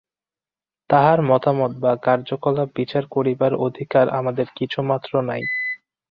তাঁহার মতামত বা কার্যকলাপ বিচার করিবার অধিকার আমাদের কিছুমাত্র নাই।